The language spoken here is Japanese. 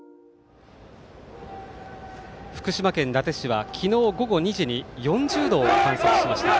福島県伊達市は昨日午後２時に４０度を観測しました。